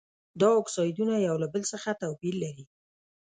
دا اکسایدونه یو له بل څخه توپیر لري.